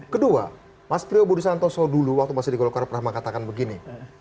kedua mas priyo budi santoso dulu waktu masih di golkar pernah mengatakan begini